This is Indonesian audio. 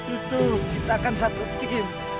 itu kita kan satu pikir